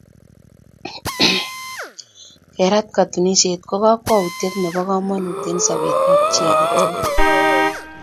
Kerat katunisyet ko kokwoutiet nebo komonut eng sobeetab chi age tugul.